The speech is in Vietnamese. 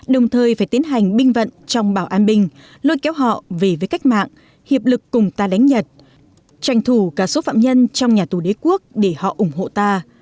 đồng thời phải tiến hành binh vận trong bảo an binh lôi kéo họ về với cách mạng hiệp lực cùng ta đánh nhật tranh thủ cả số phạm nhân trong nhà tù đế quốc để họ ủng hộ ta